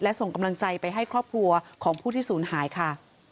และส่งกำลังใจไปให้ครอบครัวของผู้ที่ศูนย์หายค่ะ